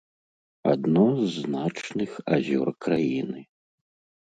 Адно з значных азёр краіны.